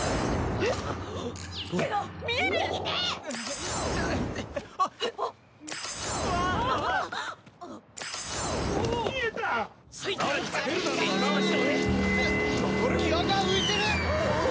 えっギアが浮いてる！